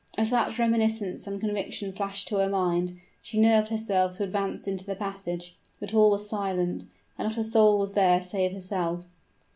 As that reminiscence and conviction flashed to her mind, she nerved herself to advance into the passage; but all was silent, and not a soul was there save herself.